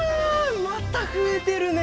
また増えてるね！